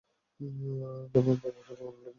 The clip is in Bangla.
তোমার বাবাকে জঘন্য লোক মনে হচ্ছে।